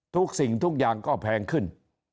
ทุกสิ่งทุกอย่างก็แพงขึ้น